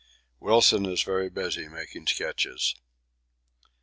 Wilson is very busy making sketches.